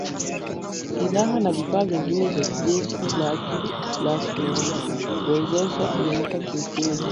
silaha na vifaa vingine kwa jeshi lake la kumuwezesha kuinuka kiuchumi